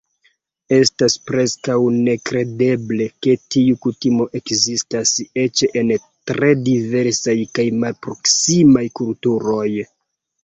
Estas preskaŭ nekredeble, ke tiu kutimo ekzistas eĉ en tre diversaj kaj malproksimaj kulturoj.